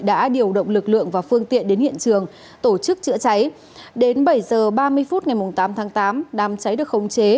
đã điều động lực lượng và phương tiện đến hiện trường tổ chức chữa cháy đến bảy h ba mươi phút ngày tám tháng tám đám cháy được khống chế